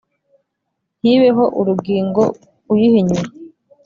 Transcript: ntibeho urugingo uyihinyura